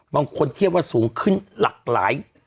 บางคนเทียบว่าสูงขึ้นหลากหลาย